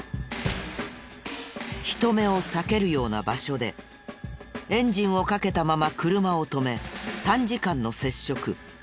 人目を避けるような場所でエンジンをかけたまま車を止め短時間の接触。